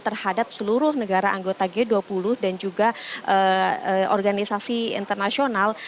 terhadap seluruh negara anggota g dua puluh dan juga organisasi internasional